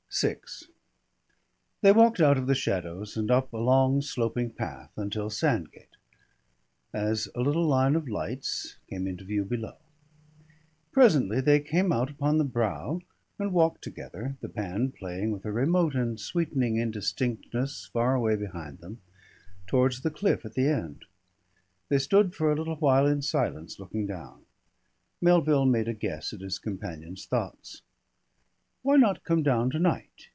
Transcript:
VI They walked out of the shadows and up a long sloping path until Sandgate, as a little line of lights, came into view below. Presently they came out upon the brow and walked together (the band playing with a remote and sweetening indistinctness far away behind them) towards the cliff at the end. They stood for a little while in silence looking down. Melville made a guess at his companion's thoughts. "Why not come down to night?"